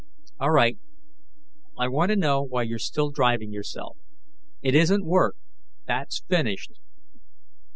"All right, I want to know why you're still driving yourself. It isn't work; that's finished."